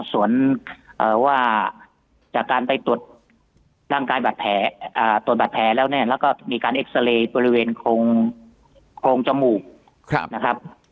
ส่วนว่าจากการไปตรวจร่างกายบาดแผลแล้วแล้วก็มีการเอ็กซาเรย์บริเวณโครงจมูก